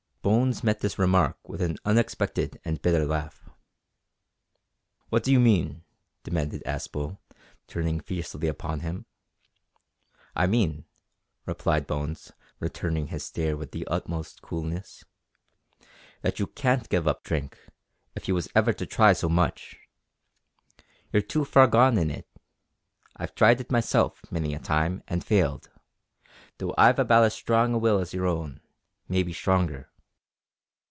Bones met this remark with an unexpected and bitter laugh. "What d'you mean?" demanded Aspel, turning fiercely upon him. "I mean," replied Bones, returning his stare with the utmost coolness, "that you can't give up drink, if you was to try ever so much. You're too far gone in it. I've tried it myself, many a time, and failed, though I've about as strong a will as your own maybe stronger."